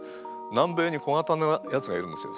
南米に小型のやつがいるんですよ。